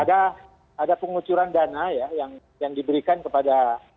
ada pengucuran dana ya yang diberikan kepada